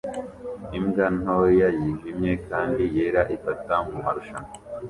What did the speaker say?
imbwa ntoya yijimye kandi yera ifata mumarushanwa